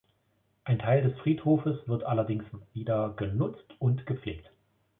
Ein Teil des Friedhofes wird allerdings wieder genutzt und gepflegt.